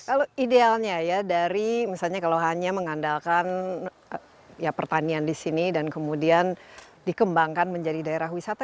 kalau idealnya ya dari misalnya kalau hanya mengandalkan ya pertanian di sini dan kemudian dikembangkan menjadi daerah wisata